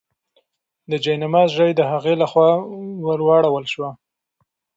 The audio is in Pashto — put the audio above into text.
د جاینماز ژۍ د هغې لخوا ورواړول شوه.